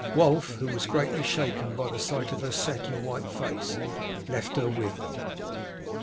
Wulf, who was greatly shaken by the sight of her set and white face, left her with them.